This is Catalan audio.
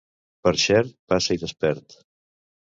Per Xert, passa-hi despert.